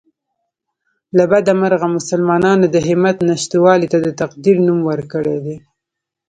له بده مرغه مسلمانانو د همت نشتوالي ته د تقدیر نوم ورکړی دی